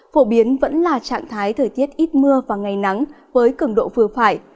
phổ biến vẫn là trạng thái thời tiết ít mưa và ngày nắng với cứng độ vừa phải